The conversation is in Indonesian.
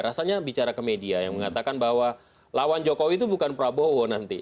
rasanya bicara ke media yang mengatakan bahwa lawan jokowi itu bukan prabowo nanti